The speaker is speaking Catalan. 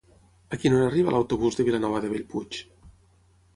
A quina hora arriba l'autobús de Vilanova de Bellpuig?